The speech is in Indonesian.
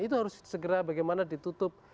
itu harus segera bagaimana ditutup